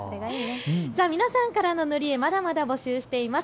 皆さんからの塗り絵、まだまだ募集しています。